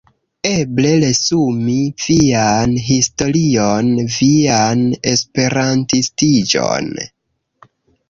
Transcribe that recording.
Eble resumi vian historion, vian esperantistiĝon.